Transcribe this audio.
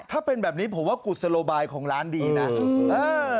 ถ้าเป็นแบบนี้ผมว่ากุศโลบายของร้านดีนะเออ